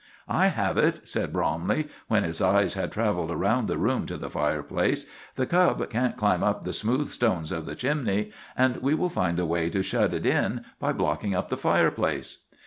"I have it," said Bromley, when his eyes had traveled around the room to the fireplace; "the cub can't climb up the smooth stones of the chimney, and we will find a way to shut it in by blocking up the fireplace."